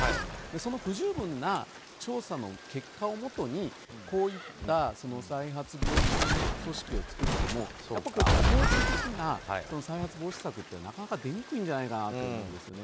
その不十分な調査の結果をもとにこういった再発防止の組織を作ってもやっぱり効果的な再発防止策というのはなかなか出にくいんじゃないかと思うんですね。